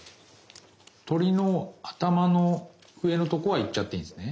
鳥の頭の上のとこは行っちゃっていいんですね？